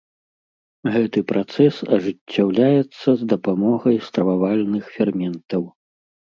Гэты працэс ажыццяўляецца з дапамогай стрававальных ферментаў.